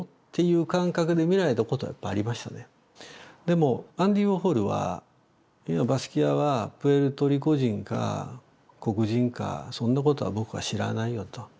でもアンディ・ウォーホルは「バスキアはプエルトリコ人か黒人かそんなことは僕は知らないよ」と。